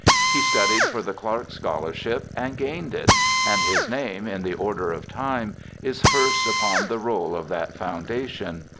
He studied for the Clark scholarship, and gained it; and his name, in the order of time, is first upon the roll of that foundation.